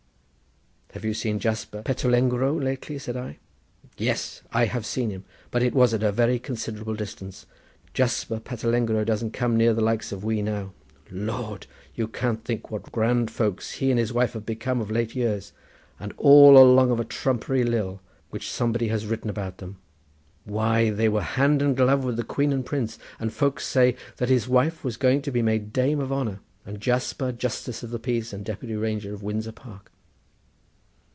"Have you seen Jasper Petulengro lately?" said I. "Yes, I have seen him, but it was at a very considerable distance. Jasper Petulengro doesn't come near the likes of we now. Lord! you can't think what grand folks he and his wife have become of late years, and all along of a trumpery lil which some body has written about them. Why, they are hand and glove with the Queen and Prince, and folks say that his wife is going to be made dame of honour, and Jasper Justice of the Peace and Deputy Ranger of Windsor Park."